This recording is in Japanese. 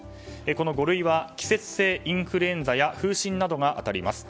この五類は季節性インフルエンザや風疹などが当たります。